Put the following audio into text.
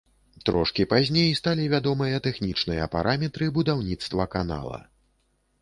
Трошкі пазней сталі вядомыя тэхнічныя параметры будаўніцтва канала.